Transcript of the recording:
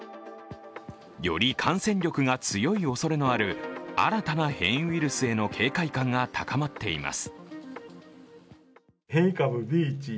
より感染力が強いおそれのある新たな変異ウイルスへの警戒感が高まっています。